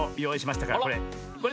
これ。